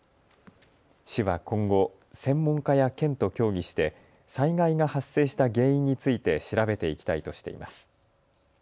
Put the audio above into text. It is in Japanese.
市は今後、専門家や県と協議して災害が発生した原因について調べていきたいとしています。